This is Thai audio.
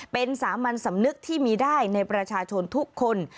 เป็นสามัญสำนึกที่มีได้ในประชาชนทุกคน